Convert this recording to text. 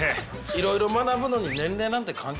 いろいろ学ぶのに年齢なんて関係ねえだろ。